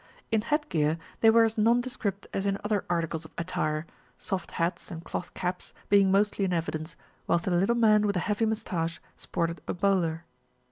In head gear, they were as nondescript as in other articles of attire, soft hats and cloth caps being mostly in evidence, whilst a little man with a heavy moustache sported a bowler.